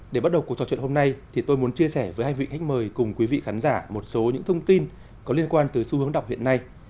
để bắt đầu cuộc trò chuyện hôm nay thì tôi muốn chia sẻ với hai vị khách mời cùng quý vị khán giả một số những thông tin có liên quan tới xu hướng đọc hiện nay